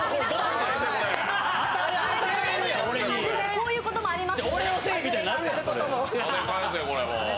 こういうこともあります。